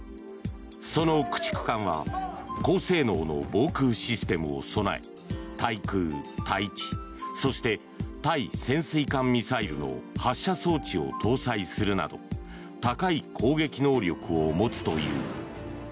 その駆逐艦は高性能の防空システムを備え対空、対地そして、対潜水艦ミサイルの発射装置を搭載するなど高い攻撃能力を持つという。